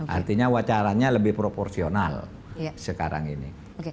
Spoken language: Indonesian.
artinya wacaranya lebih proporsional sekarang ini